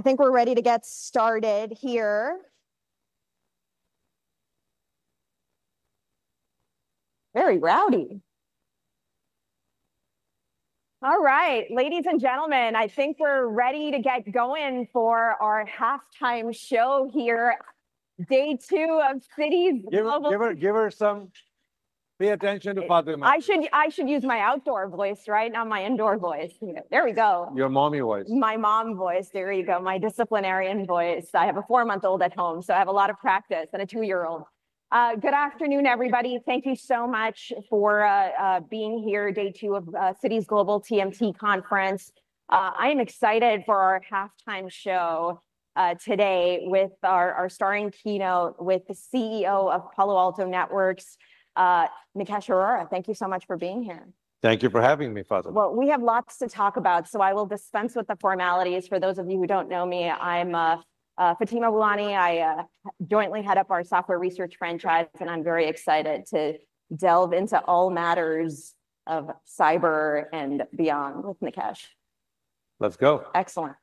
think we're ready to get started here. Very rowdy. Alright. Ladies and gentlemen, I think we're ready to get going for our half time show here day two of Citi's Give her give her give her some pay attention to Padma. I should I should use my outdoor voice, right, not my indoor voice. There we go. Your mommy voice. My mom voice. There you go. My disciplinarian voice. I have a four month old at home, so I have a lot of practice and a two year old. Good afternoon, everybody. Thank you so much for being here day two of Citi's Global TMT conference. I am excited for our halftime show today with our our starring keynote with the CEO of Palo Alto Networks, Nikesh Arora. Thank you so much for being here. Thank you for having me, Faiza. Well, we have lots to talk about, so I will dispense with the formalities. For those of you who don't know me, I'm Fatima Boolani. I jointly head up our software research franchise, and I'm very excited to delve into all matters of cyber and beyond. With Nikesh. Let's go. Excellent.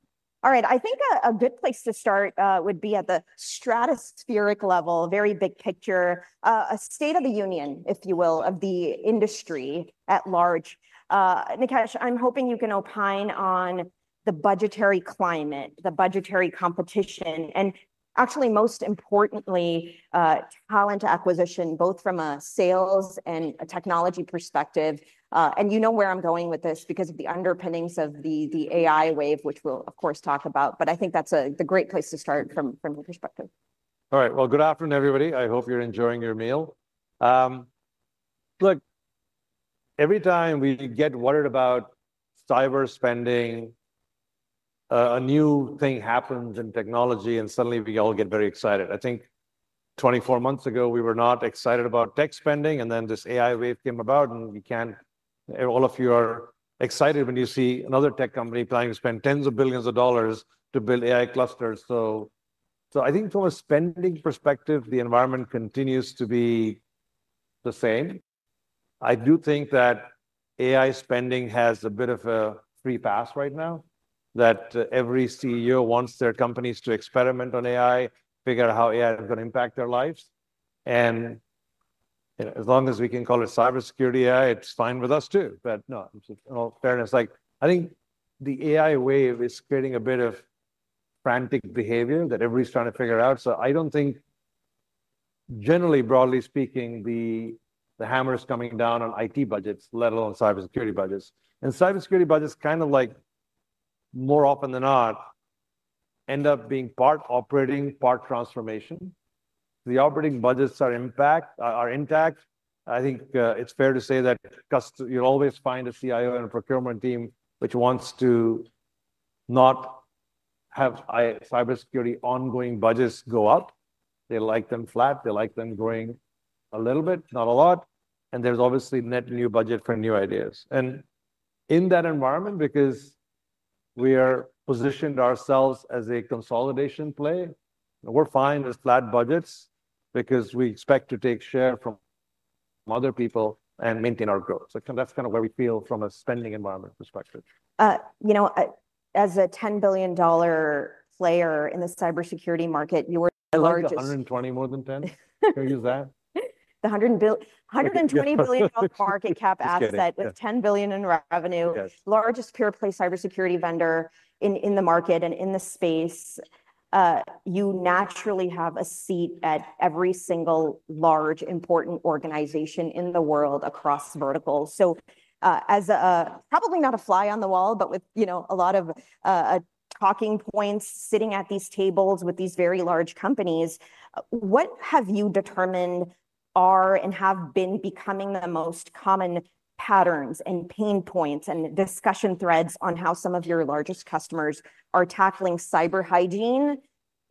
Alright. I think a a good place to start, would be at the stratospheric level, very big picture, a state of the union, if you will, of the industry at large. Nikesh, I'm hoping you can opine on the budgetary climate, the budgetary competition, and, actually, most importantly, talent acquisition both from a sales and a technology perspective. And you know where I'm going with this because of the underpinnings of the the AI wave, which we'll, of course, talk about. But I think that's a the great place to start from from your perspective. Alright. Well, good afternoon, everybody. I hope you're enjoying your meal. Look. Every time we get worried about cyber spending, a new thing happens in technology, and suddenly we all get very excited. I think twenty four months ago, we were not excited about tech spending, and then this AI wave came about, and we can't all of you are excited when you see another tech company trying to spend tens of billions of dollars to build AI clusters. So so I think from a spending perspective, the environment continues to be the same. I do think that AI spending has a bit of a free pass right now that every CEO wants their companies to experiment on AI, figure out how AI is gonna impact their lives. And, you know, as long as we can call it cybersecurity AI, it's fine with us too. But, no, in all fairness, like, I think the AI wave is getting a bit of frantic behavior that everybody's trying to figure out. So I don't think, generally, broadly speaking, the the hammer is coming down on IT budgets, let alone cybersecurity budgets. And cybersecurity budgets kind of like more often than not end up being part operating, part transformation. The operating budgets are impact are intact. I think it's fair to say that cost you'll always find a CIO and procurement team which wants to not have I cybersecurity ongoing budgets go up. They like them flat. They like them growing a little bit, not a lot. And there's obviously net new budget for new ideas. And in that environment, because we are positioned ourselves as a consolidation play, we're fine as flat budgets because we expect to take share from other people and maintain our growth. So that's kind of where we feel from a spending environment perspective. You know, as a $10,000,000,000 player in the cybersecurity market, you were largest 120 more than 10? Can you use that? The 100 and bill 120,000,000,000 on the market cap asset with 10,000,000,000 in revenue. Yes. Largest pure play cybersecurity vendor in in the market and in the space. You naturally have a seat at every single large important organization in the world across verticals. So as a probably not a fly on the wall, but with, you know, a lot of talking points sitting at these tables with these very large companies, what have you determined are and have been becoming the most common patterns and pain points and discussion threads on how some of your largest customers are tackling cyber hygiene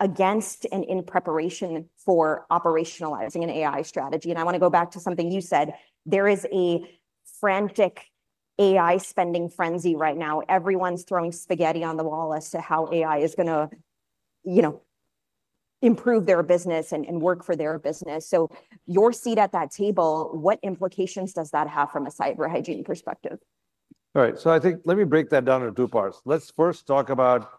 against and in preparation for operationalizing an AI strategy. And I wanna go back to something you said. There is a frantic AI spending frenzy right now. Everyone's throwing spaghetti on the wall as to how AI is gonna, you know, improve their business and and work for their business. So your seat at that table, what implications does that have from a cyber hygiene perspective? Alright. So I think let me break that down in two parts. Let's first talk about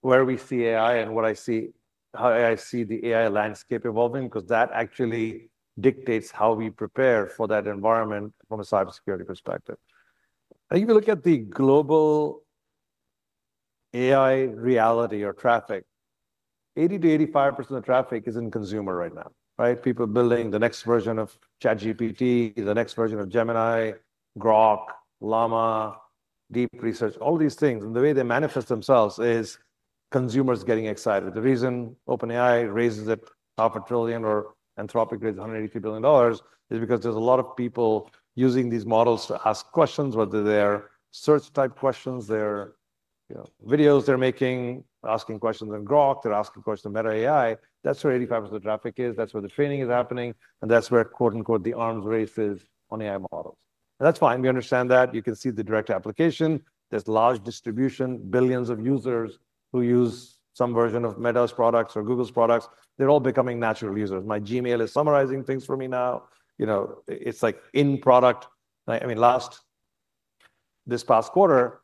where we see AI and what I see how I see the AI landscape evolving because that actually dictates how we prepare for that environment from a cybersecurity perspective. I think if you look at the global AI reality or traffic, 80 to 85% of traffic is in consumer right now. Right? People building the next version of ChatGPT, the next version of Gemini, Grok, Lama, Deep Research, all these things. And the way they manifest themselves is consumers getting excited. The reason OpenAI raises it half a trillion or Anthropic rates, $182,000,000,000 is because there's a lot of people using these models to ask questions whether they're search type questions, they're, you know, videos they're making, asking questions on Grok, they're asking questions on Meta AI. That's where 85% traffic is. That's where the training is happening, and that's where, quote, unquote, the arms race is on AI models. That's fine. We understand that. You can see the direct application. There's large distribution, billions of users who use some version of Meta's products or Google's products. They're all becoming natural users. My Gmail is summarizing things for me now. You know, it's like in product I mean, last this past quarter,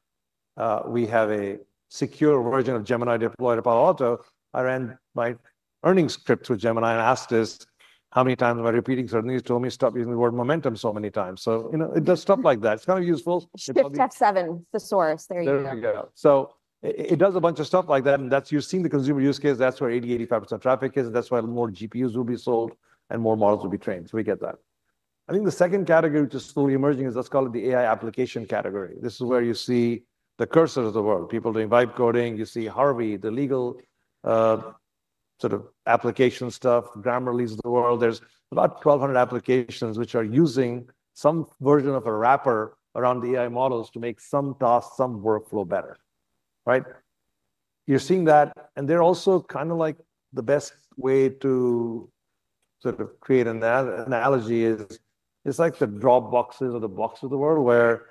we have a secure version of Gemini deployed Apollo Auto. I ran my earnings script through Gemini and asked this how many times am I repeating something? You told me stop using the word momentum so many times. So, you know, it does stuff like that. It's kinda useful. Shift step seven, the source. There you go. So it does a bunch of stuff like that, and that's you've seen the consumer use case. That's where 85% traffic is. That's why more GPUs will be sold and more models will be trained. So we get that. I think the second category which is fully emerging is, let's call it, the AI application category. This This is is where where you you see see the cursor of the world. People doing vibe coding. You see Harvey, the legal sort of application stuff, Grammarly's of the world. There's about 1,200 applications which are using some version of a wrapper around the AI models to make some tasks, some workflow better. Right? You're seeing that, and they're also kinda like the best way to sort of create an analogy is it's like the drop boxes or the box of the world where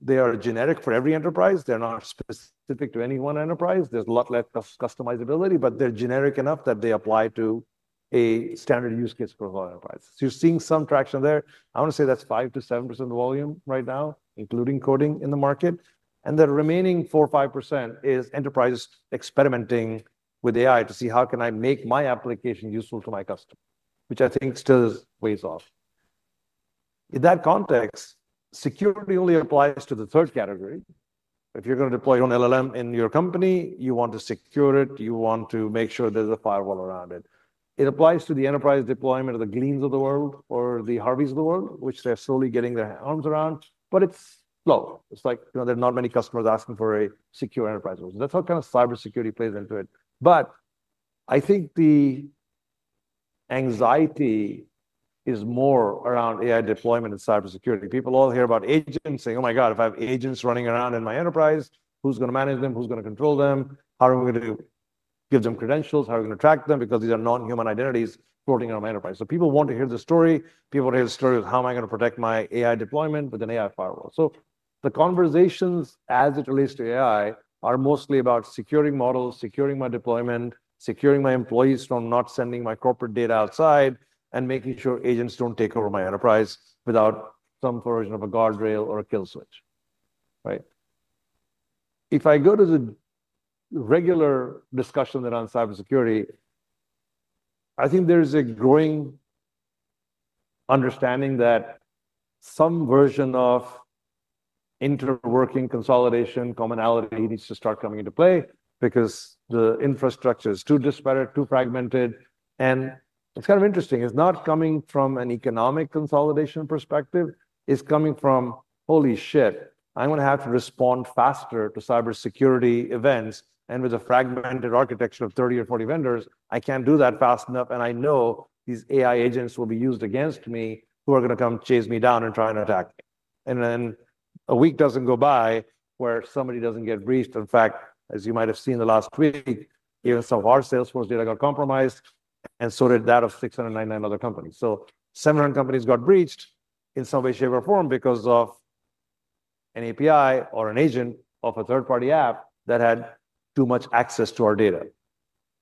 they are generic for every enterprise. They're not specific to any one enterprise. There's a lot less of customizability, but they're generic enough that they apply to a standard use case for all enterprise. So you're seeing some traction there. Wanna I say that's five to 7% volume right now, including coding in the market. And the remaining 5% is enterprises experimenting with AI to see how can I make my application useful to my customer, which I think still weighs off? In that context, security only applies to the third category. If you're gonna deploy on LLM in your company, you want to secure it. You want to make sure there's a firewall around it. It applies to the enterprise deployment of the Greetings of the world or the Harvey's of the world, which they're slowly getting their arms around, but it's slow. It's like, you know, there are not many customers asking for a secure enterprise. That's how kind of cybersecurity plays into it. But I think the anxiety is more around AI deployment and cybersecurity. People all hear about agents saying, oh my god. If I have agents running around in my enterprise, who's gonna manage them? Who's gonna control them? How are we gonna do give them credentials? How are we gonna track them? Because these are nonhuman identities floating on my enterprise. So people want to hear the story. People want to hear the story of how am I gonna protect my AI deployment with an AI firewall. So the conversations as it relates to AI are mostly about securing models, securing my deployment, securing my employees from not sending my corporate data outside, and making sure agents don't take over my enterprise without some version of a guardrail or a kill switch. Right? If I go to the regular discussion around cybersecurity, I think there's a growing understanding that some version of interworking consolidation commonality needs to start coming into play because the infrastructure is too disparate, too fragmented. And it's kind of interesting. It's not coming from an economic consolidation perspective. It's coming from, holy shit. I'm gonna have to respond faster to cybersecurity events. And with a fragmented architecture of 30 or 40 vendors, I can't do that fast enough, and I know these AI agents will be used against me who are gonna come chase me down and try and attack me. And then a week doesn't go by where somebody doesn't get breached. In fact, as you might have seen in the last week, even some of our Salesforce data got compromised, and so did that of six hundred nine nine other companies. So 700 companies got breached in some way, shape, or form because of an API or an agent of a third party app that had too much access to our data.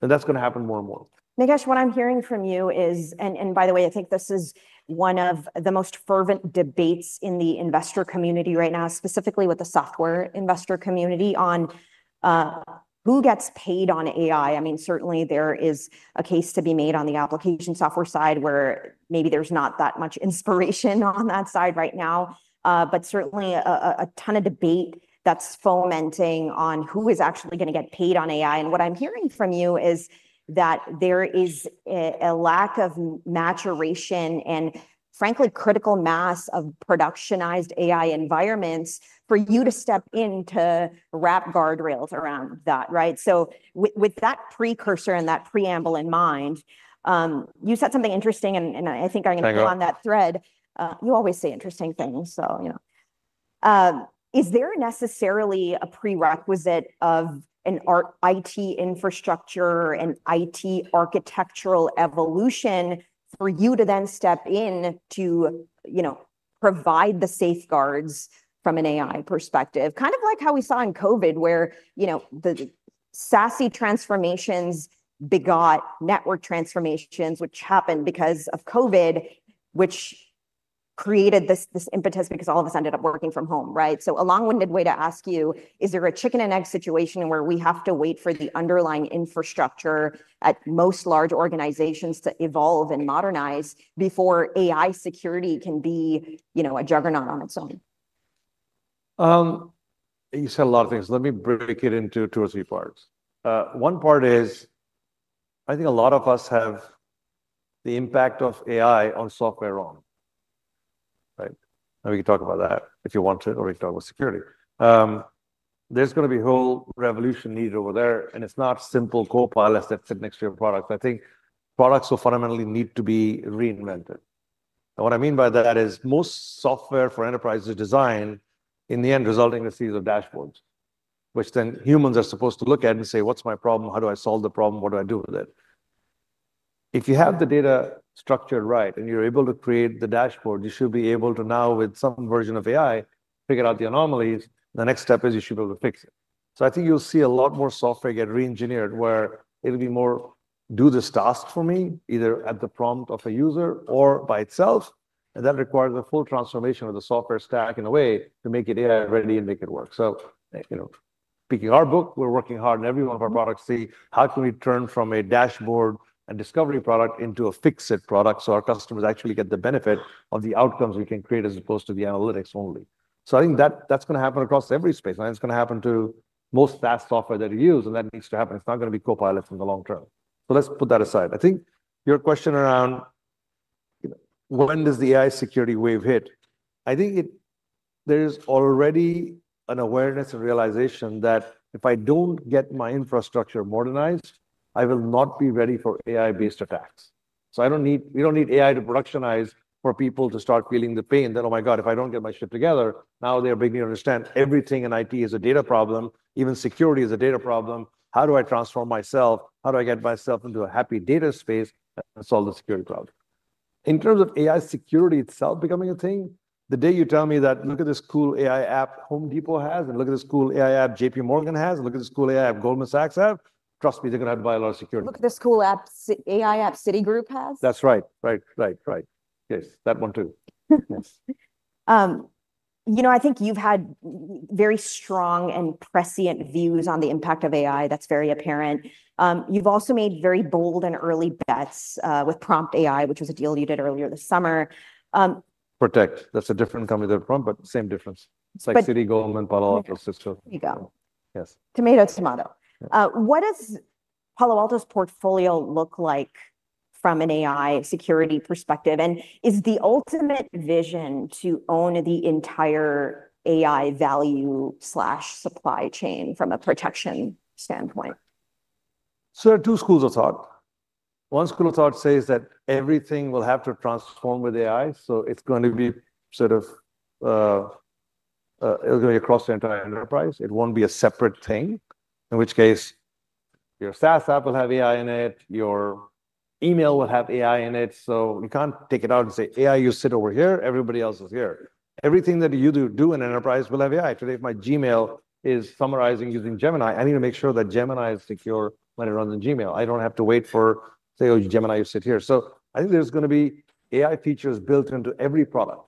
And that's gonna happen more and more. Nikesh, what I'm hearing from you is and and by the way, I think this is one of the most fervent debates in the investor community right now, specifically with the software investor community on who gets paid on AI. I mean, certainly, is a case to be made on the application software side where maybe there's not that much inspiration on that side right now, but certainly a ton of debate that's fomenting on who is actually gonna get paid on AI. And what I'm hearing from you is that there is a lack of maturation and, frankly, critical mass of productionized AI environments for you to step in to wrap guardrails around that. Right? So with with that precursor and that preamble in mind, you said something interesting, and and I I think I can go on that thread. You always say interesting things. So you know? Is there necessarily a prerequisite of an art IT infrastructure and IT architectural evolution for you to then step in to, you know, provide the safeguards from an AI perspective. Kind of like how we saw in COVID where, you know, the SASE transformations begot network transformations, happened because of COVID, which created this this impetus because all of us ended up working from home. Right? So a long winded way to ask you, is there a chicken and egg situation where we have to wait for the underlying infrastructure at most large organizations to evolve and modernize before AI security can be, you know, a juggernaut on its own? You said a lot of things. Let me break it into two or three parts. One part is, I think a lot of us have the impact of AI on software wrong. Right? And we can talk about that if you want to or we can talk about security. There's gonna be whole revolution need over there, and it's not simple copilot that sit next to your product. I think products will fundamentally need to be reinvented. And what I mean by that is most software for enterprise is designed in the end resulting in series of dashboards, which then humans are supposed to look at and say, what's my problem? How do I solve the problem? What do I do with it? If you have the data structured right and you're able to create the dashboard, you should be able to now with some version of AI, figure out the anomalies. The next step is you should be able to fix it. So I think you'll see a lot more software get reengineered where it'll be more do this task for me either at the prompt of a user or by itself, and that requires a full transformation of the software stack in a way to make it AI ready and make it work. So, you know, picking our book, we're working hard in every one of our products to see how can we turn from a dashboard and discovery product into a fix it product so our customers actually get the benefit of the outcomes we can create as opposed to the analytics only. So I think that that's gonna happen across every space. And it's gonna happen to most fast software that we use, and that needs to happen. It's not gonna be Copilot from the long term. So let's put that aside. I think your question around when does the AI security wave hit, I think it there's already an awareness and realization that if I don't get my infrastructure modernized, I will not be ready for AI based attacks. So I don't need we don't need AI to productionize for people to start feeling the pain that, oh my god. If I don't get my shit together, now they are beginning to understand everything in IT is a data problem. Even security is a data problem. How do I transform myself? How do I get myself into a happy data space solve the security problem? In terms of AI security itself becoming a thing, the day you tell me that look at this cool AI app Home Depot has and look at this cool AI app JPMorgan has, look at this cool AI app Goldman Sachs have, trust me, they're gonna have buy a lot of security. Look at the school apps app Citigroup has? That's right. Right. Right. Right. Yes. That one too. Yes. You know, I think you've had very strong and prescient views on the impact of AI. That's very apparent. You've also made very bold and early bets with Prompt AI, which was a deal you did earlier this summer. Protect. That's a different company than Prompt, but same difference. Sykes City, Goldman, Palo Alto, Cisco. You go. Yes. Tomato is tomato. What does Palo Alto's portfolio look like from an AI security perspective? And is the ultimate vision to own the entire AI value slash supply chain from a protection standpoint? So two schools of thought. One school of thought says that everything will have to transform with AI, so it's gonna be sort of it'll be across the entire enterprise. It won't be a separate thing, in which case your SaaS app will have AI in it. Your email will have AI in it. So we can't take it out and say, AI, sit over here. Everybody else is here. Everything that you do do in enterprise will have AI. Today, my Gmail is summarizing using Gemini, I need to make sure that Gemini is secure when it runs in Gmail. I don't have to wait for, say, oh, Gemini, you sit here. So I think there's gonna be AI features built into every product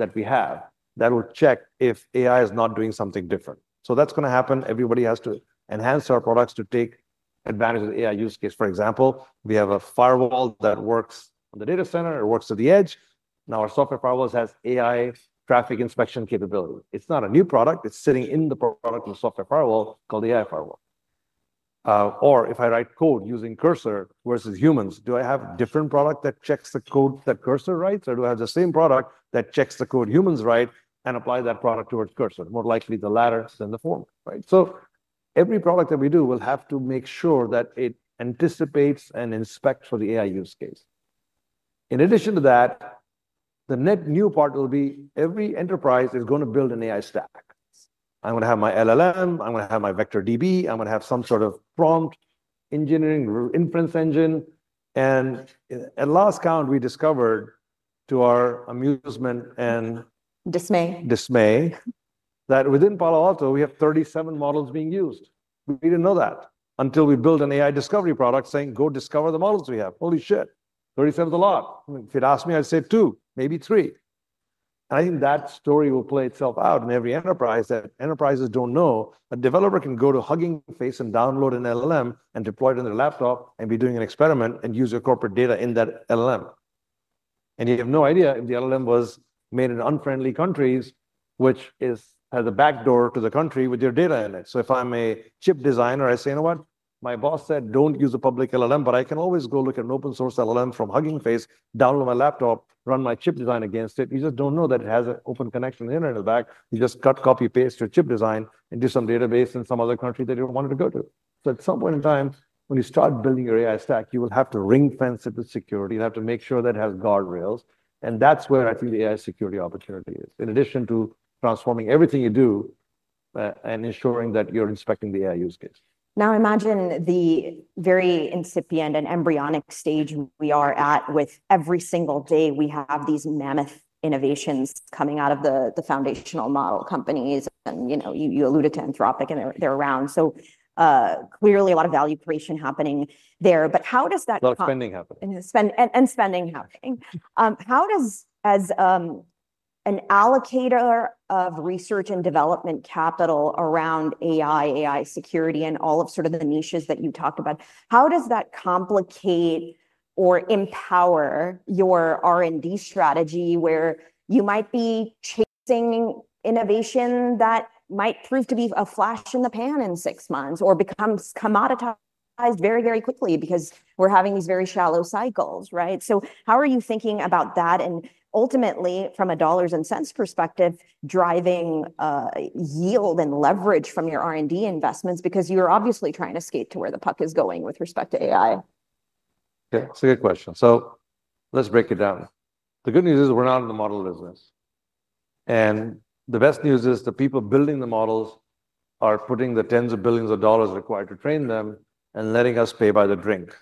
that we have that will check if AI is not doing something different. So that's gonna happen. Everybody has to enhance our products to take advantage of AI use case. For example, we have a firewall that works on the data center. It works at the edge. Now our software firewalls has AI traffic inspection capability. It's not a new product. It's sitting in the product of software firewall called AI firewall. Or if I write code using cursor versus humans, do I have different product that checks the code that cursor writes, or do I have the same product that checks the code humans write and apply that product towards cursor? More likely the lattice than the form. Right? So every product that we do will have to make sure that it anticipates and inspect for the AI use case. In addition to that, the net new part will be every enterprise is gonna build an AI stack. I'm gonna have my LLM. I'm gonna have my VectorDB. I'm gonna have some sort of prompt engineering or inference engine. And at last count, we discovered, to our amusement and Dismay. Dismay that within Palo Alto, we have 37 models being used. We didn't know that until we built an AI discovery product saying, go discover the models we have. Holy shit. 30 seven's a lot. I mean, if you'd asked me, I'd say two, maybe three. I think that story will play itself out in every enterprise that enterprises don't know. A developer can go to Hugging Face and download an LLM and deploy it in their laptop and be doing an experiment and use your corporate data in that LLM. And you have no idea if the LLM was made in unfriendly countries, which is has a backdoor to the country with your data in it. So if I'm a chip designer, I say, you know what? My boss said don't use a public LLM, but I can always go look at an open source LLM from Hugging Face, download my laptop, run my chip design against it. You just don't know that it has an open connection in Internet in the back. You just cut, copy, paste your chip design and do some database in some other country that you don't want it to go to. So at some point in time, when you start building your AI stack, you will have to ring fence at the security. You have to make sure that it has guardrails. And that's where I feel the AI security opportunity is. In addition to transforming everything you do and ensuring that you're inspecting the AI use case. Now imagine the very incipient and embryonic stage we are at with every single day we have these mammoth innovations coming out of the the foundational model companies. And, you know, you you alluded to Anthropic, and they're they're around. So, clearly, a lot of value creation happening there. But how does that A lot of spending happen. And spend and and spending happening. How does as an allocator of research and development capital around AI AI security and all of sort of the niches that you talked about, how does that complicate or empower your r and d strategy where you might be chasing innovation that might prove to be a flash in the pan in six months or becomes commoditized very, very quickly because we're having these very shallow cycles. Right? So how are you thinking about that? And, ultimately, from a dollars and cents perspective, driving yield and leverage from your r and d investments because you're obviously trying to skate to where the puck is going with respect to AI. Yeah. It's a good question. So let's break it down. The good news is we're not in the model business. And the best news is the people building the models are putting the tens of billions of dollars required to train them and letting us pay by the drink,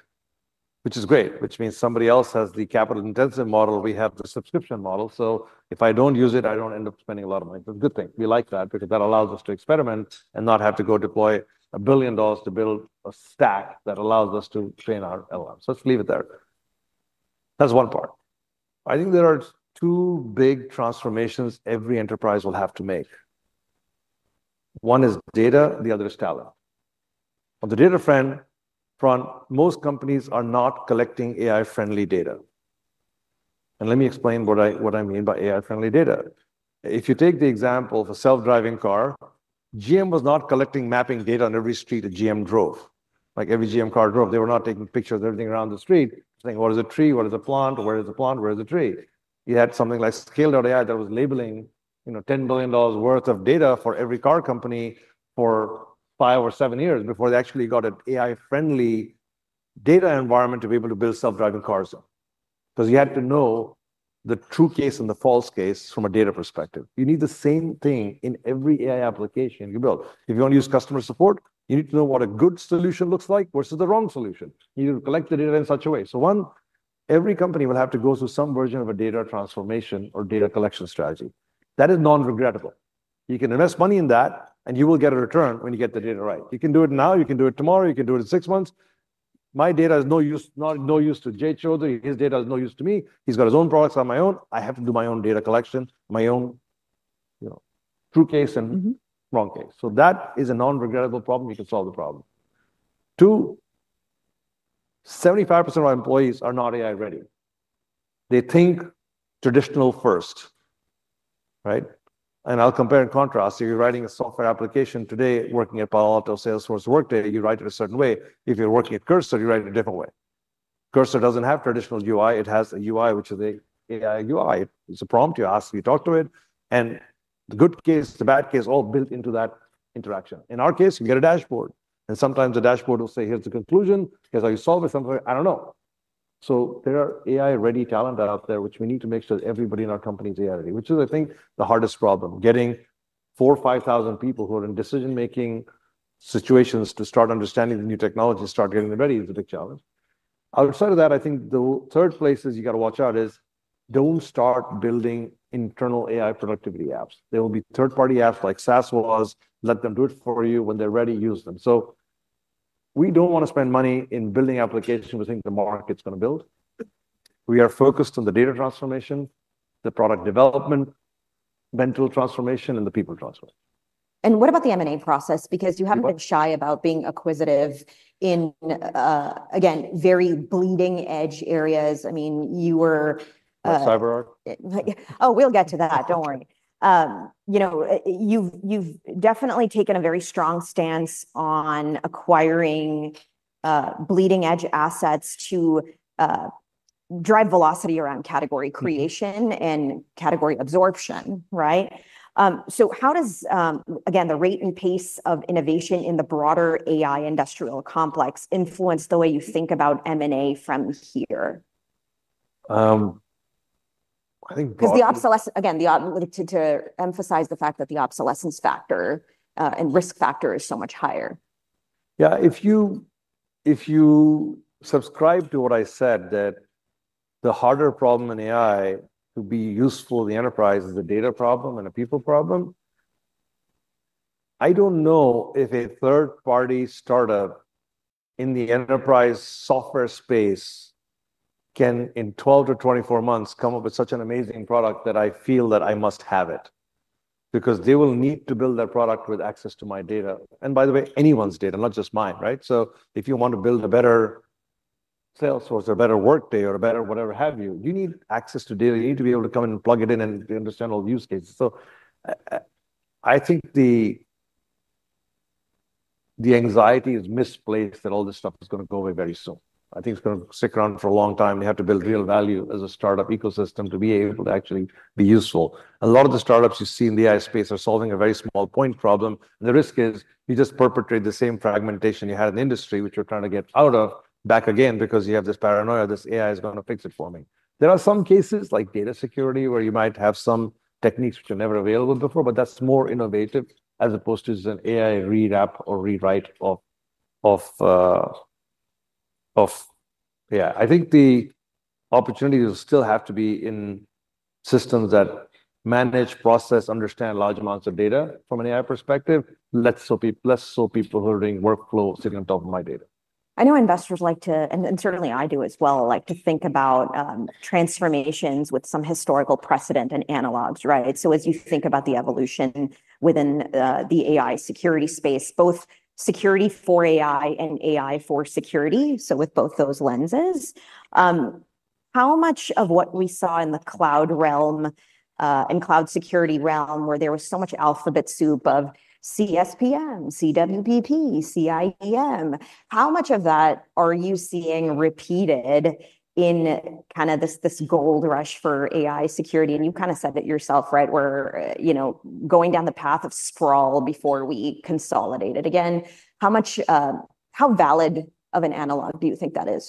which is great, which means somebody else has the capital intensive model. We have the subscription model. So if I don't use it, I don't end up spending a lot of money. That's a good thing. We like that because that allows us to experiment and not have to go deploy a billion dollars to build a stack that allows us to train our LM. So let's leave it there. That's one part. I think there are two big transformations every enterprise will have to make. One is data, the other is talent. On the data front, most companies are not collecting AI friendly data. And let me explain what I what I mean by AI friendly data. If you take the example of a self driving car, GM was not collecting mapping data on every street that GM drove. Like every GM car drove, they were not taking pictures of everything around the street, saying, is the tree? What is the plant? Where is the plant? Where is the tree? You had something like scale dot ai that was labeling, you know, $10,000,000,000 worth of data for every car company for five or seven years before they actually got an AI friendly data environment to be able to build self driving cars on because you had to know the true case and the false case from a data perspective. You need the same thing in every AI application you build. If you wanna use customer support, you need to know what a good solution looks like versus the wrong solution. You collect the data in such a way. So one, every company will have to go through some version of a data transformation or data collection strategy. That is nonregrettable. You can invest money in that, and you will get a return when you get the data right. You can do it now. You can do it tomorrow. You can do it in six months. My data is no use not no use to Jay Chaudhry. His data is no use to me. He's got his own products on my own. I have to do my own data collection, my own, you know, true case and Mhmm. Wrong case. So that is a non regrettable problem. You can solve the problem. 75% of our employees are not AI ready. They think traditional first. Right? And I'll compare and contrast. So you're writing a software application today, working at Palo Alto, Salesforce, Workday, you write it a certain way. If you're working at Cursor, you write it a different way. Cursor doesn't have traditional UI. It has a UI, which is the AI UI. It's a prompt you ask, you talk to it. And the good case, the bad case, all built into that interaction. In our case, we get a dashboard. And sometimes the dashboard will say, here's the conclusion. Here's how you solve it somewhere. I don't know. So there are AI ready talent out there, which we need to make sure everybody in our company's AI, which is, I think, the hardest problem. Getting four, five thousand people who are in decision making situations to start understanding the new technology and start getting ready is a big challenge. Outside of that, I think the third place is you gotta watch out is don't start building internal AI productivity apps. There will be third party apps like SaaS was. Let them do it for you. When they're ready, use them. So we don't want to spend money in building applications we think the market's going to build. We are focused on the data transformation, the product development, mental transformation and the people transformation. And what about the M and A process? Because you haven't been shy about being acquisitive in, again, very bleeding edge areas. I mean, you were With CyberArk? Oh, we'll get to that. Don't worry. You know, you've you've definitely taken a very strong stance on acquiring bleeding edge assets to drive velocity around category creation and category absorption. Right? So how does, again, the rate and pace of innovation in the broader AI industrial complex influence the way you think about m and a from here? I think because the obsolescence again, the to to emphasize the fact that the obsolescence factor, and risk factor is so much higher. Yeah. If you if you subscribe to what I said that the harder problem in AI to be useful in the enterprise is a data problem and a people problem. I don't know if a third party startup in the enterprise software space can, in twelve to twenty four months, come up with such an amazing product that I feel that I must have it because they will need to build their product with access to my data. And by the way, anyone's data, not just mine. Right? So if you wanna build a better Salesforce or better Workday or a better whatever have you, you need access to data. You need to be able to come in and plug it in and to understand all the use cases. So I think the the anxiety is misplaced that all this stuff is gonna go away very soon. I think it's gonna stick around for a long time. They have to build real value as a startup ecosystem to be able to actually be useful. A lot of the startups you see in the AI space are solving a very small point problem. The risk is you just perpetrate the same fragmentation you had in the industry, which you're trying to get out of back again because you have this paranoia. This AI is gonna fix it for me. There are some cases like data security where you might have some techniques which are never available before, but that's more innovative as opposed to an AI read app or rewrite of of yeah. I think the opportunity is still have to be in systems that manage, process, understand large amounts of data from an AI perspective, let's so peep let's so peep for holding workflow sitting on top of my data. I know investors like to and and certainly, I do as well, like to think about, transformations with some historical precedent and analogs. Right? So as you think about the evolution within the AI security space, both security for AI and AI for security, so with both those lenses, how much of what we saw in the cloud realm and cloud security realm where there was so much alphabet soup of CSPM, CWPP, CIEM? How much of that are you seeing repeated in kinda this this gold rush for AI security? And you kinda said that yourself. Right? We're, you know, going down the path of sprawl before we consolidate it again. How much how valid of an analog do you think that is?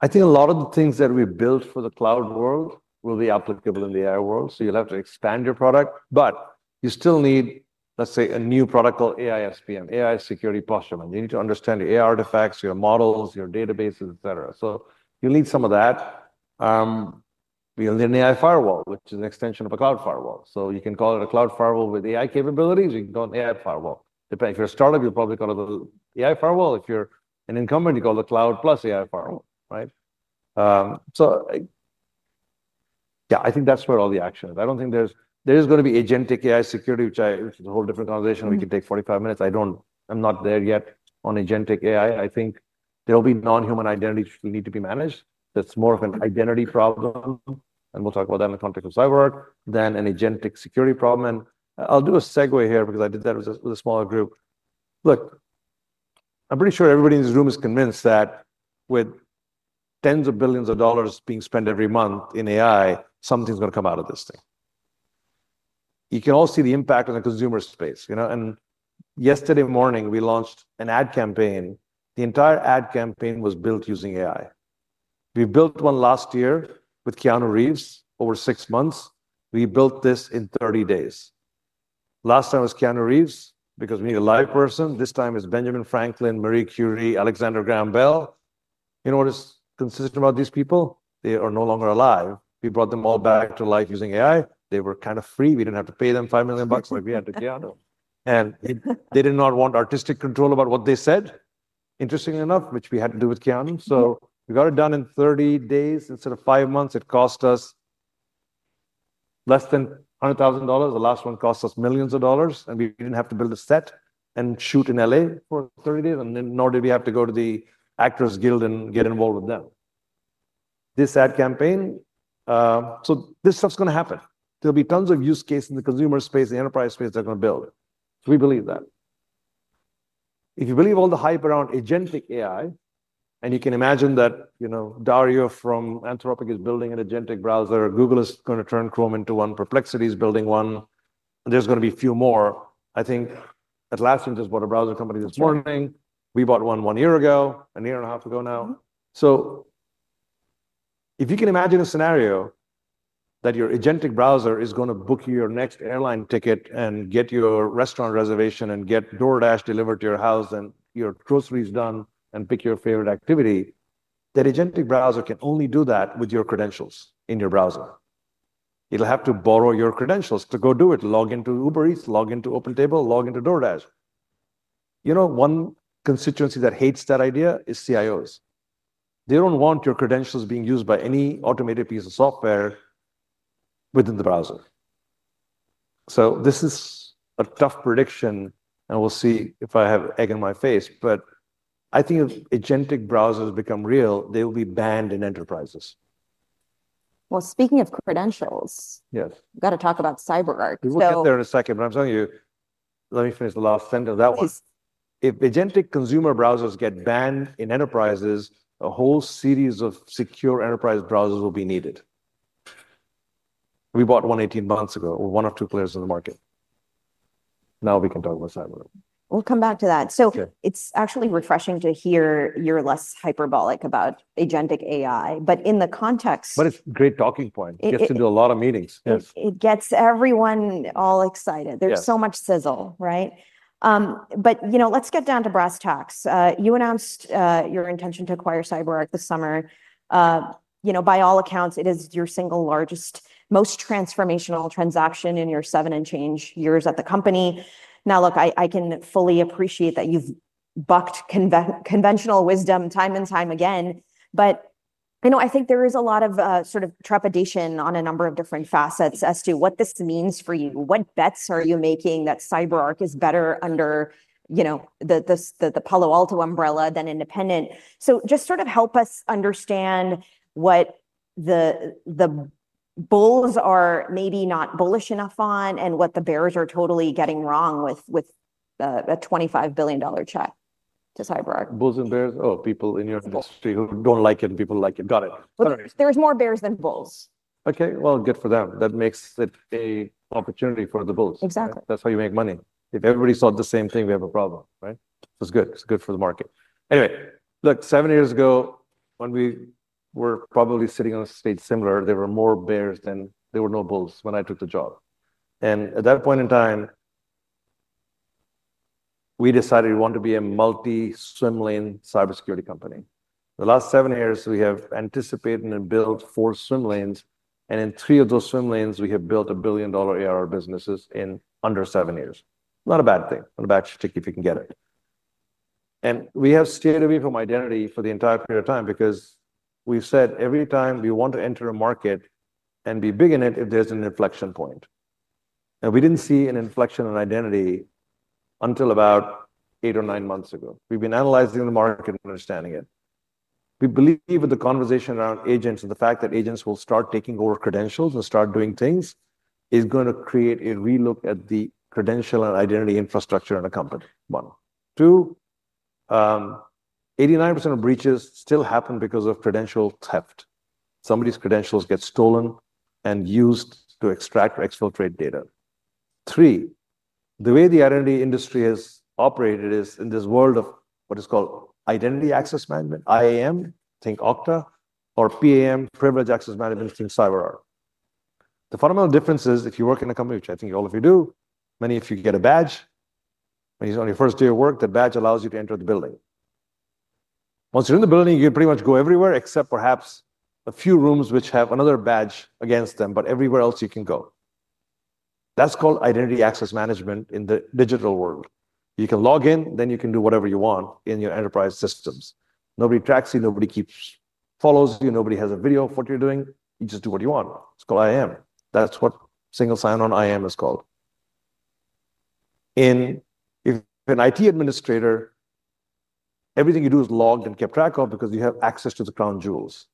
I think a lot of the things that we built for the cloud world will be applicable in the AI world, so you'll have to expand your product. But you still need, let's say, a new product called AISPM, AI security posture. And you need to understand the AI artifacts, your models, your databases, etcetera. So you'll need some of that. We'll need an AI firewall, which is an extension of a cloud firewall. So you can call it a cloud firewall with AI capabilities. You can call it AI firewall. Depending if you're a startup, you'll probably call it AI firewall. If you're an incumbent, you call it cloud plus AI firewall. Right? So, yeah, I think that's where all the action is. I don't think there's there's gonna be agentic AI security, which I it's a whole different conversation. We can take forty five minutes. I don't I'm not there yet on agentic AI. I think there'll be nonhuman identities that need to be managed. That's more of an identity problem, and we'll talk about that in the context of cyber work, than an agentic security problem. And I'll do a segue here because I did that with a with a smaller group. Look. I'm pretty sure everybody in this room is convinced that with tens of billions of dollars being spent every month in AI, something's going to come out of this thing. You can all see the impact on the consumer space. Yesterday morning, we launched an ad campaign. The entire ad campaign was built using AI. We built one last year with Keanu Reeves over six months. We built this in thirty days. Last time was Keanu Reeves because we need a live person. This time, it's Benjamin Franklin, Marie Curie, Alexander Graham Bell. You know what is consistent about these people? They are no longer alive. We brought them all back to life using AI. They were kind of free. We didn't have to pay them $5,000,000 like we had to Keanu. And they did not want artistic control about what they said, interestingly enough, which we had to do with Keanu. So we got it done in thirty days instead of five months. It cost us less than $100,000. The last one cost us millions of dollars, and we didn't have to build a set and shoot in LA for thirty days, and then nor did we have to go to the Actors Guild and get involved with them. This ad campaign so this stuff's gonna happen. There'll be tons of use case in the consumer space, the enterprise space they're gonna build. We believe that. If you believe all the hype around agentic AI, and you can imagine that, you know, Dario from Anthropic is building an agentic browser, Google is gonna turn Chrome into one, Perplexity is building one, and there's gonna be a few more. I think Atlassian just bought a browser company this morning. We bought one one year ago, a year and a half ago now. So if you can imagine a scenario that your agentic browser is gonna book you your next airline ticket and get your restaurant reservation and get DoorDash delivered to your house and your groceries done and pick your favorite activity, that agentic browser can only do that with your credentials in your browser. It'll have to borrow your credentials to go do it. Log in to Uber Eats, log in to OpenTable, log in to DoorDash. You know, one constituency that hates that idea is CIOs. They don't want your credentials being used by any automated piece of software within the browser. So this is a tough prediction, and we'll see if I have egg in my face. But I think if agentic browsers become real, they will be banned in enterprises. Well, speaking of credentials Yes. We gotta talk about CyberArk. There in a second, but I'm telling you let me finish the last sentence. That one, Vagintic consumer browsers get banned in enterprises, a whole series of secure enterprise browsers will be needed. We bought one eighteen months ago or one of two players in the market. Now we can talk about CyberArk. We'll come back to that. So Okay. It's actually refreshing to hear you're less hyperbolic about agentic AI. But in the context But it's great talking point. It gets into a lot of meetings. Yes. It gets everyone all excited. There's so much sizzle. Right? But, you know, let's get down to brass tacks. You announced your intention to acquire CyberArk this summer. You know, by all accounts, it is your single largest, most transformational transaction in your seven and change years at the company. Now, look, I I can fully appreciate that you've bucked con wisdom time and time again. But, you know, I think there is a lot of, sort of trepidation on a number of different facets as to what this means for you. What bets are you making that CyberArk is better under, you know, the the the Palo Alto umbrella than independent? So just sort of help us understand what the the bulls are maybe not bullish enough on and what the bears are totally getting wrong with with a a $25,000,000,000 check to CyberArk. Bulls and bears? Oh, people in your industry who don't like it and people like it. Got it. Alright. There's more bears than bulls. Okay. Well, good for them. That makes it a opportunity for the bulls. Exactly. That's how you make money. If everybody saw the same thing, we have a problem. Right? It's good. It's good for the market. Anyway, look, seven years ago, when we were probably sitting on a stage similar, there were more bears than there were no bulls when I took the job. And at that point in time, we decided we want to be a multi swim lane cybersecurity company. The last seven years, we have anticipated and built four swim lanes. And in three of those swim lanes, we have built a billion dollar ARR businesses in under seven years. Not a bad thing. Not a bad shit if you can get it. And we have stayed away from identity for the entire period of time because we've said every time we want to enter a market and be big in it, if there's an inflection point. And we didn't see an inflection in identity until about eight or nine months ago. We've been analyzing the market and understanding it. We believe with the conversation around agents and the fact that agents will start taking over credentials and start doing things is going to create a relook at the credential and identity infrastructure in a company model. Two, eighty nine percent of breaches still happen because of credential theft. Somebody's credentials get stolen and used to extract or exfiltrate data. Three, the way the identity industry has operated is in this world of what is called identity access management, IAM, think Okta, or PAM, privileged access management in CyberArk. The fundamental difference is if you work in a company, which I think all of you do, many of you get a badge. When you use it on your first day of work, the badge allows you to enter the building. Once you're in the building, you pretty much go everywhere except perhaps a few rooms which have another badge against them, but everywhere else you can go. That's called identity access management in the digital world. You can log in, then you can do whatever you want in your enterprise systems. Nobody tracks you. Nobody keeps follows you. Nobody has a video of what you're doing. You just do what you want. It's called I'm That's what single sign on I'm is called. And if an IT administrator, everything you do is logged and kept track of because you have access to the crown jewels.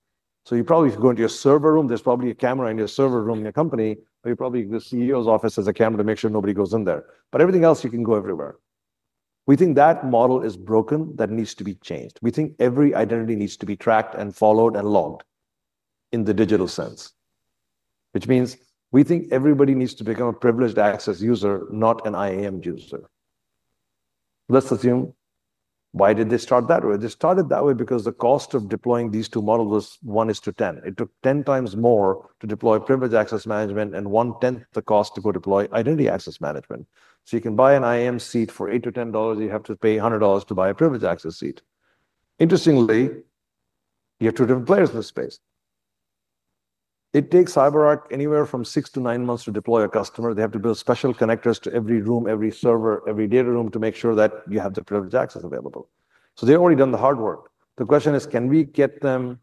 So you probably go into your server room. There's probably a camera in your server room in your company. You're probably the CEO's office has a camera to make sure nobody goes in there. But everything else, you can go everywhere. We think that model is broken that needs to be changed. We think every identity needs to be tracked and followed and logged in the digital sense, which means we think everybody needs to become a privileged access user, not an IAM user. Let's assume why did they start that way? They started that way because the cost of deploying these two models was one is to 10. It took 10 times more to deploy privileged access management and one tenth cost to go deploy identity access management. So you can buy an IAM seat for $8 to $10 you have to pay $100 to buy a privileged access seat. Interestingly, you have two different players in this space. It takes CyberArk anywhere from six to nine months to deploy a customer. They have to build special connectors to every room, every server, every data room to make sure that you have the privileged access available. So they've already done the hard work. The question is, can we get them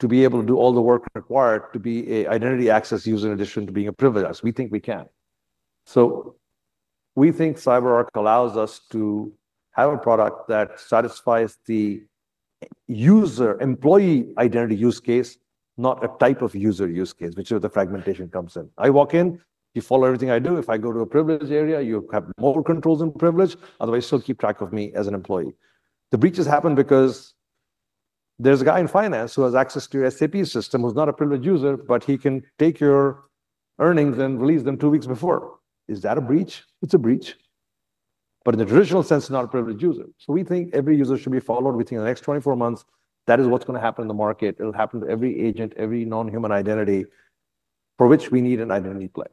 to be able to do all the work required to be an identity access user in addition to being a privilege? We think we can. So we think CyberArk allows us to have a product that satisfies the user employee identity use case, not the type of user use case, which is where the fragmentation comes in. I walk in, you follow everything I do. If I go to a privileged area, you have more controls than privilege. Otherwise, you'll keep track of me as an employee. The breaches happen because there's a guy in finance who has access to SAP system who's not a privileged user, but he can take your earnings and release them two weeks before. Is that a breach? It's a breach. But in the traditional sense, not a privileged user. So we think every user should be followed within the next twenty four months. That is what's going to happen in the market. It'll happen to every agent, every nonhuman identity for which we need an identity play.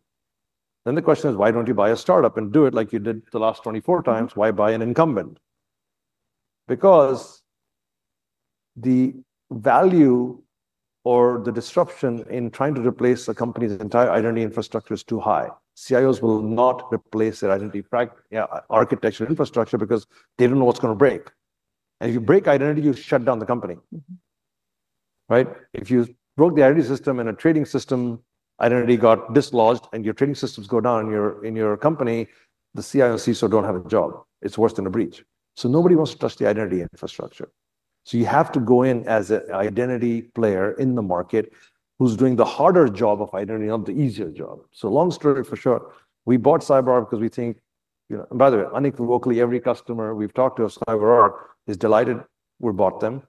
Then the question is why don't you buy a startup and do it like you did the last 24 times? Why buy an incumbent? Because the value or the disruption in trying to replace a company's entire identity infrastructure is too high. CIOs will not replace their identity yeah, architecture infrastructure because they don't know what's going to break. And if you break identity, you shut down the company, right? If you broke the identity system in a trading system, identity got dislodged and your trading systems go down in company, the CIOCs don't have a job. It's worse than a breach. So nobody wants to touch the identity infrastructure. So you have to go in as an identity player in the market who's doing the harder job of identity, not the easier job. So long story for sure, we bought CyberArk because we think, and by the unequivocally every customer we've talked to of CyberArk is delighted we bought them.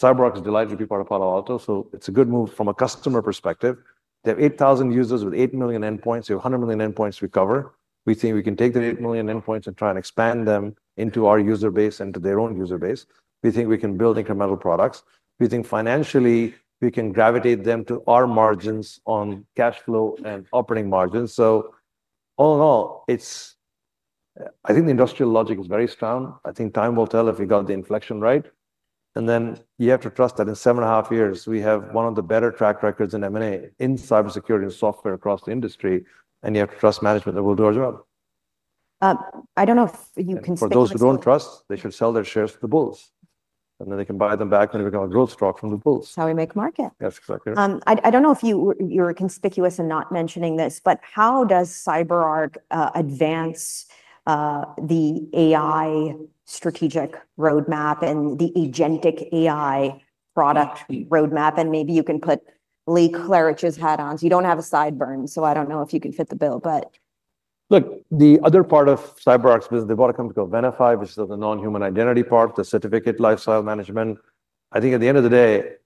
CyberArk is delighted to be part of Palo Alto. So it's a good move from a customer perspective. They have 8,000 users with 8,000,000 endpoints, you have 100,000,000 endpoints recover. We think we can take that 8,000,000 endpoints and try and expand them into our user base and to their own user base. We think we can build incremental products. We think financially, we can gravitate them to our margins on cash flow and operating margins. So all in all, it's I think the industrial logic is very strong. I think time will tell if we got the inflection right. And then you have to trust that in seven point five years, we have one of the better track records in M and A in cybersecurity and software across the industry. And you have to trust management that will do our job. I don't know if you can speak For those who don't trust, they should sell their shares to the bulls. And then they can buy them back and we can grow stock from the bulls. How we make market. That's exactly right. I don't know if you're conspicuous in not mentioning this, but how does CyberArk advance the AI strategic roadmap and the agentic AI product roadmap? And maybe you can put Lee Klaritch's hat on. You don't have a sideburn, so I don't know if you can fit the bill. Look. The other part of CyberArk's business, bought a company called Venafi, which is the nonhuman identity part, the certificate lifestyle management. I think at the end of the day,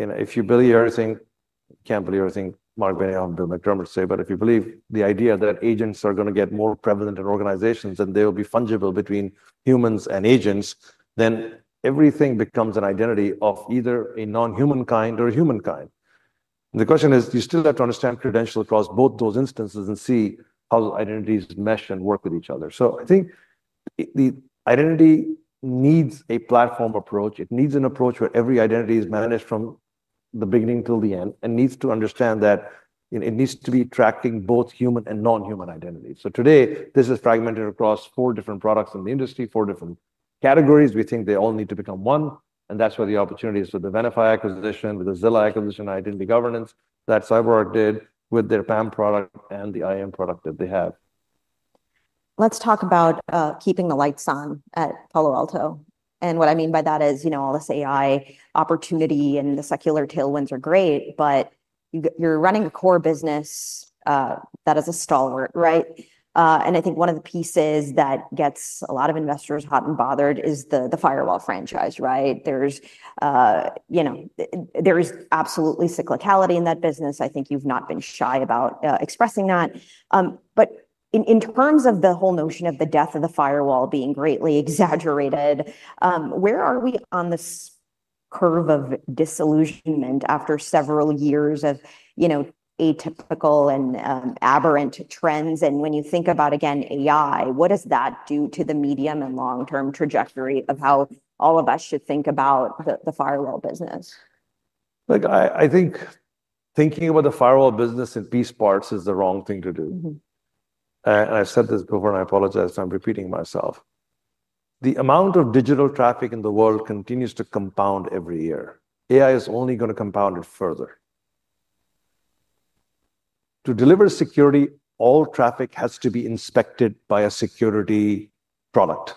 you know, if you believe everything can't believe everything Mark Vanian and McDermott say, but if you believe the idea that agents are going to get more prevalent in organizations and they will be fungible between humans and agents, then everything becomes an identity of either a nonhuman kind or a human kind. The question is, you still have to understand credential across both those instances and see how identities mesh and work with each other. So I think the identity needs a platform approach. It needs an approach where every identity is managed from the beginning till the end and needs to understand that it needs to be tracking both human and nonhuman identities. So today, this is fragmented across four different products in the industry, four different categories. We think they all need to become one, and that's where the opportunities with the Venafi acquisition, with the Zilliqa acquisition, identity governance, that CyberArk did with their PAM product and the I'm product that they have. Let's talk about keeping the lights on at Palo Alto. And what I mean by that is, you know, all this AI opportunity and the secular tailwinds are great, but you're running a core business that is a stalwart. Right? And I think one of the pieces that gets a lot of investors hot and bothered is the the firewall franchise. Right? There's you know, there is absolutely cyclicality in that business. I think you've not been shy about expressing that. But in in terms of the whole notion of the death of the firewall being greatly exaggerated, where are we on this curve of disillusionment after several years of, you know, atypical and aberrant trends? And when you think about, again, AI, what does that do to the medium and long term trajectory of how all of us should think about the the firewall business? Look. I I think thinking about the firewall business in piece parts is the wrong thing to do. Mhmm. And I've said this before, I apologize. I'm repeating myself. The amount of digital traffic in the world continues to compound every year. AI is only going to compound it further. To deliver security, all traffic has to be inspected by a security product,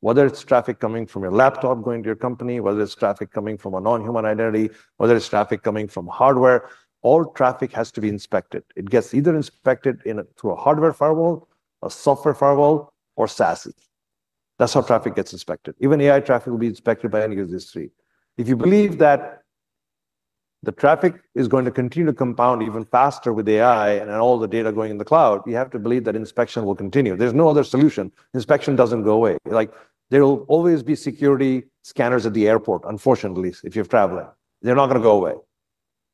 Whether it's traffic coming from your laptop going to your company, whether it's traffic coming from a nonhuman identity, whether it's traffic coming from hardware, all traffic has to be inspected. It gets either inspected in a through a hardware firewall, a software firewall, or SaaS. That's how traffic gets inspected. Even AI traffic will be inspected by any industry. If you believe that the traffic is going to continue to compound even faster with AI and all the data going in the cloud, you have to believe that inspection will continue. There's no other solution. Inspection doesn't go away. Like there will always be security scanners at the airport, unfortunately, if you're traveling. They're not going to go away.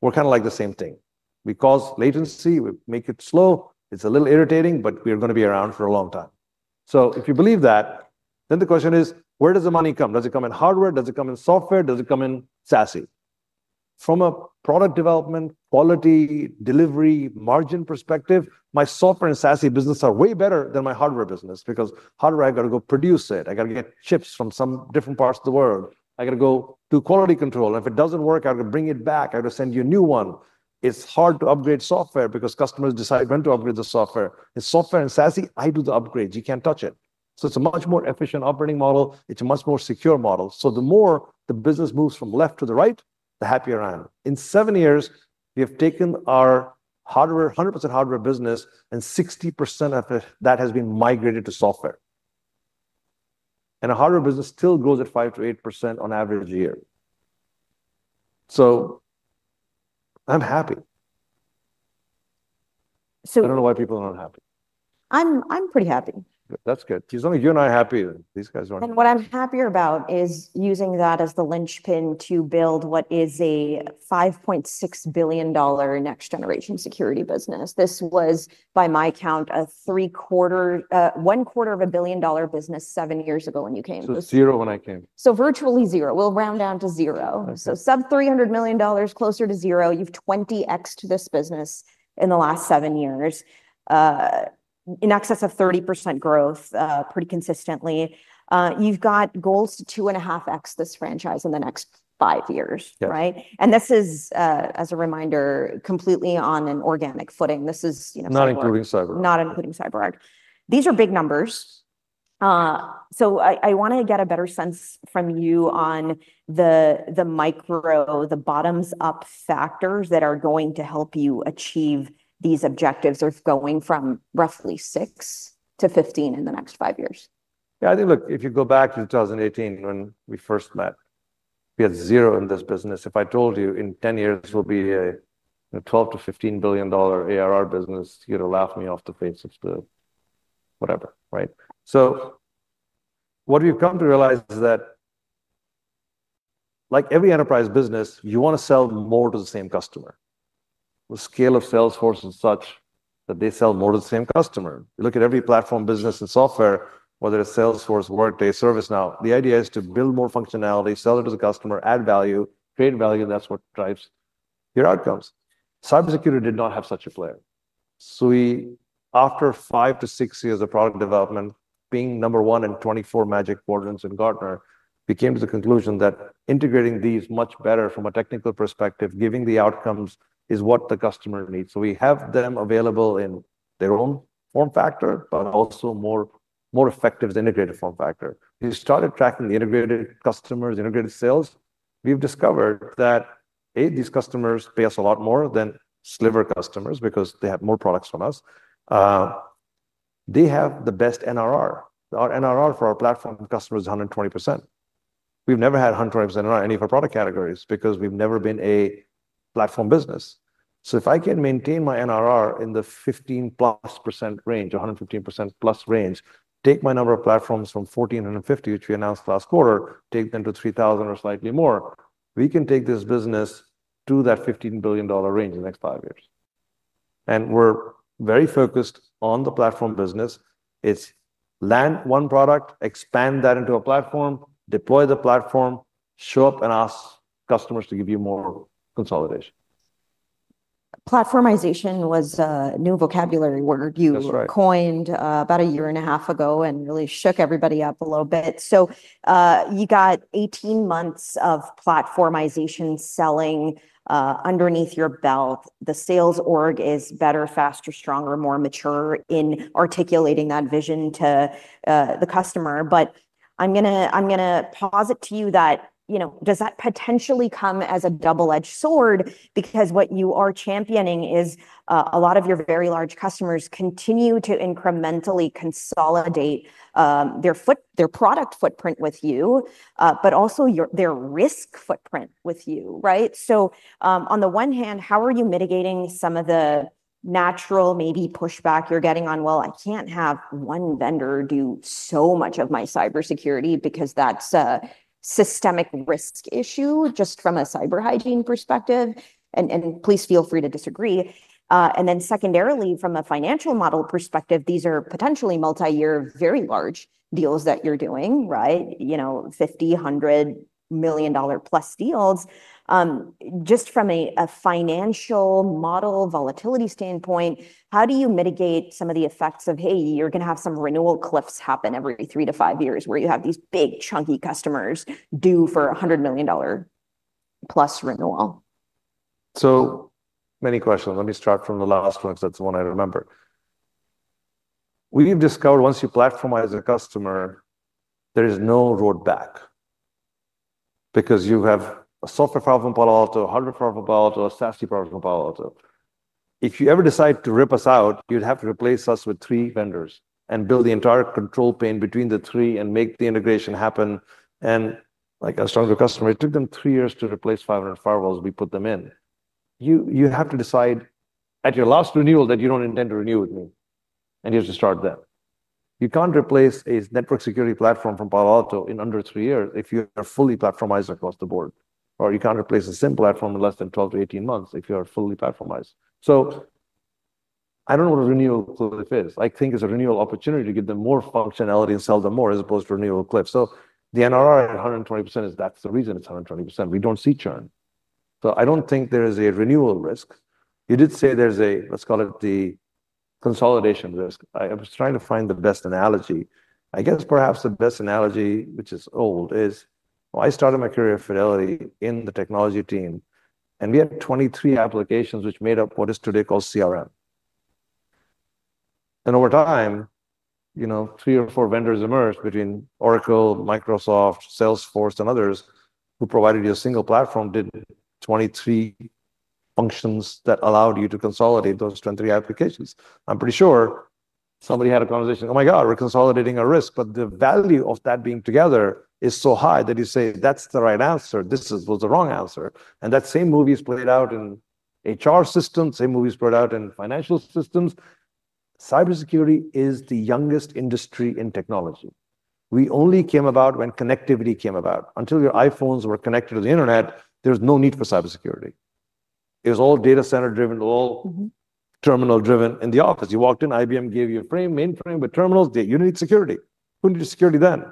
We're kind of like the same thing. We cause latency. We make it slow. It's a little irritating, but we're going to be around for a long time. So if you believe that, then the question is, where does the money come? Does it come in hardware? Does it come in software? Does it come in SASE? From a product development, quality, delivery, margin perspective, my software and SASE business are way better than my hardware business because hardware, got to go produce it. I got to get chips from some different parts of the world. I got to go do quality control. If it doesn't work, I have bring it back. I have to send you a new one. It's hard to upgrade software because customers decide when to upgrade the software. In software and SASE, I do the upgrades. You can't touch it. So it's a much more efficient operating model. It's a much more secure model. So the more the business moves from left to the right, the happier I am. In seven years, we have taken our hardware 100% hardware business and 60% of it, that has been migrated to software. And a hardware business still grows at 5% to 8% on average a year. So I'm happy. I don't know why people are not happy. I'm I'm pretty happy. That's good. It's only you and I are happy that these guys are happy. And what I'm happier about is using that as the linchpin to build what is a $5,600,000,000 next generation security business. This was, by my count a three quarter one quarter of a billion dollar business seven years ago when you came. So zero when I came. So virtually zero. We'll round down to zero. So sub $300,000,000 closer to zero, you've 20 x to this business in the last seven years in excess of 30% growth pretty consistently. You've got goals to two and a half x this franchise in the next five years. Right? And this is as a reminder completely on an organic footing. This is you know Not including CyberArk. Not including CyberArk. These are big numbers. So I I wanna get a better sense from you on the the micro, the bottoms up factors that are going to help you achieve these objectives are going from roughly six to 15 in the next five years. Yeah. I think, look, if you go back in 2018 when we first met, we had zero in this business. If I told you in ten years, we'll be a 12,000,000,000 to $15,000,000,000 ARR business, you'd laugh me off the face of the whatever, right? So what we've come to realize is that, like every enterprise business, you want to sell more to the same customer. The scale of Salesforce is such that they sell more to the same customer. Look at every platform business and software, whether it's Salesforce, Workday, ServiceNow, the idea is to build more functionality, sell it to the customer, add value, create value, and that's what drives your outcomes. Cybersecurity did not have such a player. So we, after five to six years of product development, being number one in 24 Magic Warden and Gartner, became to the conclusion that integrating these much better from a technical perspective, giving the outcomes is what the customer needs. So we have them available in their own form factor, but also more effective than integrated form factor. We started tracking the integrated customers, integrated sales. We've discovered that, a, these customers pay us a lot more than sliver customers because they have more products from us. They have the best NRR. Our NRR for our platform customer is 120%. We've never had Hunter x NRR in any of our product categories because we've never been a platform business. So if I can maintain my NRR in the 15 plus percent range, 115% plus range, take my number of platforms from fourteen fifty, which we announced last quarter, take them to 3,000 or slightly more, we can take this business to that $15,000,000,000 range in the next five years. And we're very focused on the platform business. It's land one product, expand that into a platform, deploy the platform, show up and ask customers to give you more consolidation. Platformization was a new vocabulary word you coined about a year and a half ago and really shook everybody up a little bit. So you got eighteen months of platformization selling underneath your belt. The sales org is better, faster, stronger, more mature in articulating that vision to the customer. But I'm gonna I'm gonna pause it to you that, you know, does that potentially come as a double edged sword because what you are championing is a lot of your very large customers continue to incrementally consolidate their foot their product footprint with you, but also your their risk footprint with you. Right? So on the one hand, how are you mitigating some of the natural, maybe, pushback you're getting on? Well, I can't have one vendor do so much of my cybersecurity because that's a systemic risk issue just from a cyber hygiene perspective. And and please feel free to disagree. And then secondarily, from a financial model perspective, these are potentially multiyear, very large deals that you're doing. Right? You know, $50,100,000,000 dollar plus deals. Just from a a financial model volatility standpoint, how do you mitigate some of the effects of, hey. You're gonna have some renewal cliffs happen every three to five years where you have these big chunky customers due for $100,000,000 plus renewal? So many questions. Let me start from the last one, that's the one I remember. We've discovered once you platformize a customer, there is no road back because you have a software power from Palo Alto, 100 power power power power power power power If you ever decide to rip us out, you'd have to replace us with three vendors and build the entire control pane between the three and make the integration happen. And like I was talking to the customer, it took them three years to replace 500 firewalls we put them in. You you have to decide at your last renewal that you don't intend to renew with me, and you have to start there. You can't replace a network security platform from Palo Alto in under three years if you are fully platformized across the board, or you can't replace a SIM platform in less than twelve to eighteen months if you are fully platformized. So I don't know what a renewal is. I think it's a renewal opportunity to give them more functionality and sell them more as opposed to renewal cliff. So the NRR at 120% is that's the reason it's 120%. We don't see churn. So I don't think there is a renewal risk. You did say there's a, let's call it, the consolidation risk. I I was trying to find the best analogy. I guess perhaps the best analogy, which is old, is I started my career at Fidelity in the technology team, and we had 23 applications which made up what is today called CRM. And over time, you know, three or four vendors emerged between Oracle, Microsoft, Salesforce, and others who provided you a single platform did 23 functions that allowed you to consolidate those 23 applications. I'm pretty sure somebody had a conversation, oh my god, we're consolidating our risk, but the value of that being together is so high that you say that's the right answer. This is was the wrong answer. And that same movie is played out in HR systems, same movie is played out in financial systems. Cybersecurity is the youngest industry in technology. We only came about when connectivity came about. Until your iPhones were connected to the Internet, there's no need for cybersecurity. It was all data center driven, all terminal driven in the office. You walked in, IBM gave you a frame, mainframe, but terminals, you need security. Who did security then?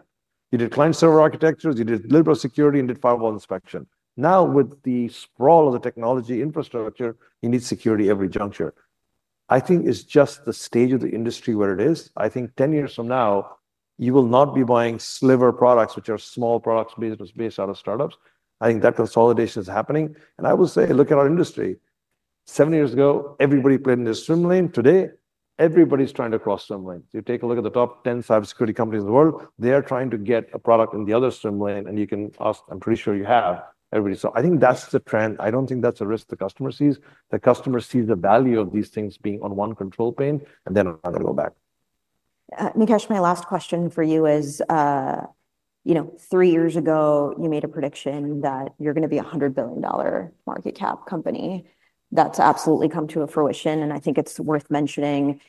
You did client server architectures, you did liberal security, and did firewall inspection. Now with the sprawl of the technology infrastructure, you need security every juncture. I think it's just the stage of the industry where it is. I think ten years from now, you will not be buying sliver products, which are small products business based out of startups. I think that consolidation is happening. And I will say, look at our industry. Seven years ago, everybody played in the swim lane. Today, everybody's trying to cross swim lane. You take a look at the top 10 cybersecurity companies in the world, they are trying to get a product in the other swim lane, and you can ask, I'm pretty sure you have every I think that's the trend. I don't think that's a risk the customer sees. The customer sees the value of these things being on one control plane, and then I'm go back. Nikesh, my last question for you is, three years ago, you made a prediction that you're going to be $100,000,000,000 market cap company. That's absolutely come to a fruition, and I think it's worth mentioning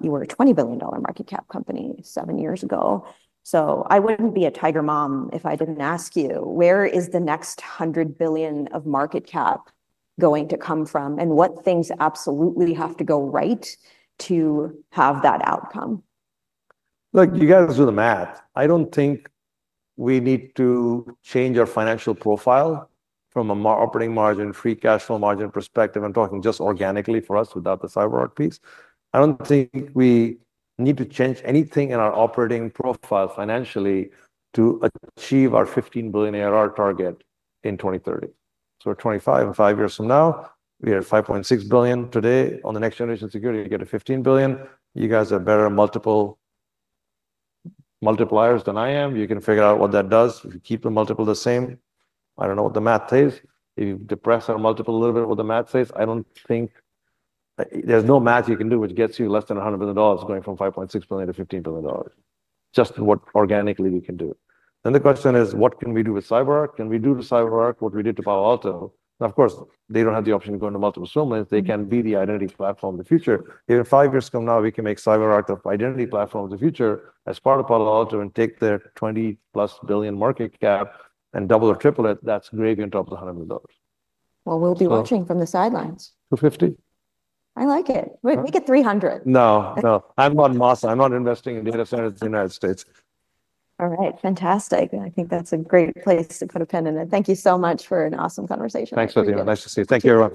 you were a $20,000,000,000 market cap company seven years ago. So I wouldn't be a tiger mom if I didn't ask you, where is the next 100,000,000,000 of market cap going to come from? And what things absolutely have to go right to have that outcome? Look, you guys do the math. I don't think we need to change our financial profile from a more operating margin, free cash flow margin perspective, I'm talking just organically for us without the CyberArk piece. I don't think we need to change anything in our operating profile financially to achieve our 15,000,000,000 ARR target in 02/1930. So twenty five and five years from now, we are 5,600,000,000.0 today on the next generation security, you get a 15,000,000,000. You guys are better multiple multipliers than I am. You can figure out what that does. If you keep the multiple the same, I don't know what the math says. You depress on multiple little bit what the math says. I don't think there's no math you can do which gets you less than a $100,000,000,000 going from 5,600,000,000.0 to $15,000,000,000. Just what organically we can do. Then the question is what can we do with CyberArk? Can we do the CyberArk what we did to Palo Alto? Of course, they don't have the option to go into multiple swim lanes. They can be the identity platform in the future. Even five years from now, we can make CyberArk of identity platform of the future as part of Palo Alto and take their 20 plus billion market cap and double or triple it. That's gravy on top of the $100,000,000. Well, we'll be watching from the sidelines. $2.50. I like it. Wait. Make it 300. No. No. I'm not. I'm not investing in data centers in The United States. Alright. Fantastic. And I think that's a great place to put a pen in it. Thank you so much for an awesome conversation. Thanks, Latina. Nice to see Thank you, everyone.